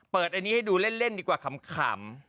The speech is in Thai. อันนี้ให้ดูเล่นดีกว่าขำ